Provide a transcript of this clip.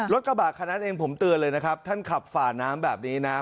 กระบะคันนั้นเองผมเตือนเลยนะครับท่านขับฝ่าน้ำแบบนี้นะ